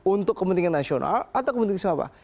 untuk kepentingan nasional atau kepentingan siapa